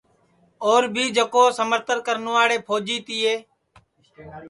اور بھی جکو سمرتن کرنواڑے پھوجی اور اپٹؔے جات بھائی تیے